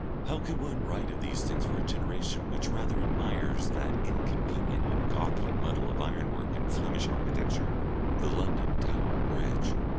How can one write of these things for a generation which rather admires that inconvenient and gawky muddle of ironwork and Flemish architecture, the London Tower Bridge.